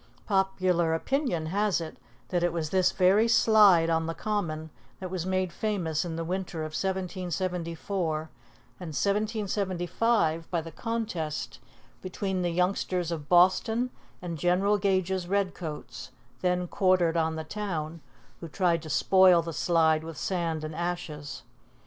Popular opinion has it that it was this very slide on the Common that was made famous in the winter of 1774 and 1775 by the contest between the youngsters of Boston and General Gage's redcoats, then quartered on the town, who tried to spoil the slide with sand and ashes.